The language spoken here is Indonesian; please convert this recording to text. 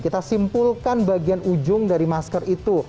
kita simpulkan bagian ujung dari masker itu